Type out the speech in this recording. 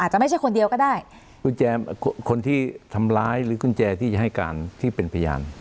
จะไม่ใช่คนเดียวก็ได้กุญแจคนที่ทำร้ายหรือกุญแจที่จะให้การที่เป็นพยาน